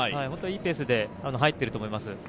本当にいいペースで入っていると思います。